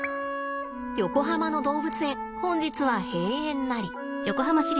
横浜の動物園本日は閉園なり。